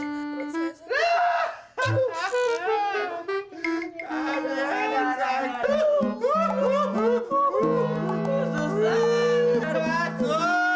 aduh kalau kayak gini gimana bisa diperiksa